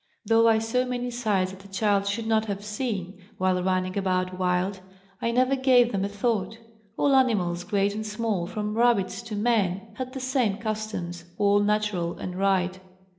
Though I saw many sights that a child should not have seen, while running about wild, I never gave them a thought; all animals great and small from rabbits to men had the same customs, all natural and right.